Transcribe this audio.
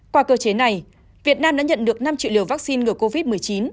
qua cơ chế này việt nam đã nhận được năm triệu liều vaccine ngừa covid một mươi chín